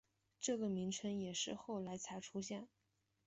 这个名称也是后来才出现的。